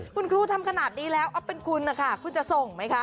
คุณครูทำขนาดนี้แล้วอ๊อฟเป็นคุณนะคะคุณจะส่งไหมคะ